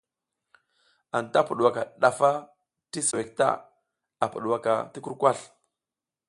Anta pudwaka ɗaf ti suwek ta, a pudwaka ti kurkasl.